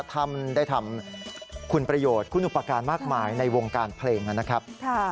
ท่านได้ทำคุณประโยชน์คุณอุปการณ์มากมายในวงการเพลงนะครับ